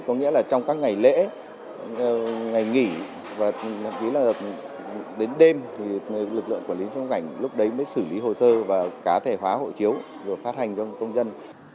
các ngày lễ ngày nghỉ và đến đêm thì lực lượng quản lý trong cảnh lúc đấy mới xử lý hồ sơ và cá thể hóa hộ chiếu rồi phát hành cho công dân